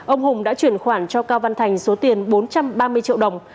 ông hùng đã chuyển khoản cho cao văn thành số tiền bốn trăm ba mươi triệu đồng